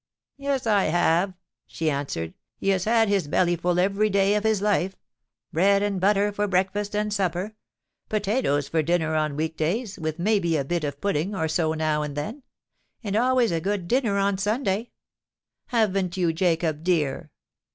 '—'Yes, I have,' she answered, 'He has had his bellyfull every day of his life: bread and butter for breakfast and supper; potatoes for dinner on week days, with may be a bit of pudding or so now and then; and always a good dinner on a Sunday. Haven't you, Jacob, dear?'